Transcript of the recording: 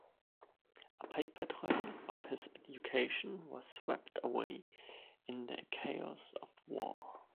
A paper trail of his education was swept away in the chaos of war.